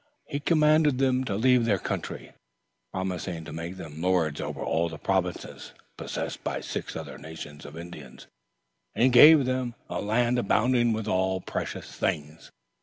He commanded them to leave their country, promising to make them lords over all the provinces possessed by six other nations of Indians, and give them a land abounding with all precious things.